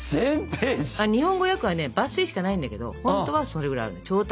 日本語訳はね抜粋しかないんだけどほんとはそれぐらいあるの超大作。